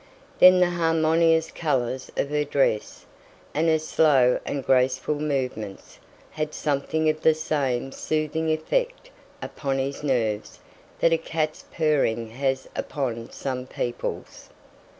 Then the harmonious colours of her dress, and her slow and graceful movements, had something of the same soothing effect upon his nerves that a cat's purring has upon some people's.